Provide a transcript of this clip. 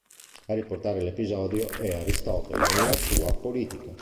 A riportare l'episodio è Aristotele, nella sua "Politica".